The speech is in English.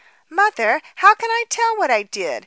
"Mother, how can I tell what I did?"